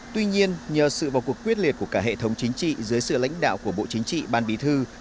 tuy nhiên nhờ sự vào cuộc quyết liệt của cả hệ thống chính trị dưới sự lãnh đạo của bộ chính trị ban bí thư